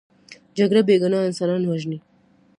جګړه بې ګناه انسانان وژني